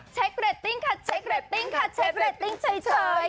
เรตติ้งค่ะเช็คเรตติ้งค่ะเช็คเรตติ้งเฉย